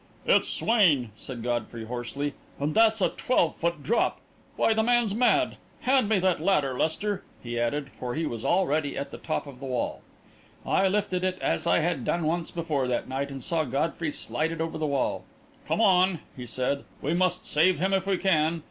"It's Swain!" said Godfrey, hoarsely; "and that's a twelve foot drop! Why, the man's mad! Hand me that ladder, Lester!" he added, for he was already at the top of the wall. I lifted it, as I had done once before that night, and saw Godfrey slide it over the wall. "Come on!" he said. "We must save him if we can!"